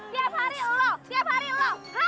tiap hari lo tiap hari lo